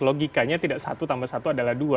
logikanya tidak satu tambah satu adalah dua